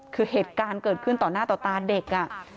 คือเหตุการณ์เกิดขึ้นต่อหน้าต่อตาเด็ก